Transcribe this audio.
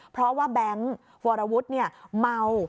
เพราะว่าแบงค์วรวุฒิเมา